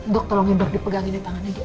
dok tolongin dok dipegangin di tangannya